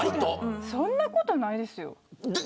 そんなことないですよ。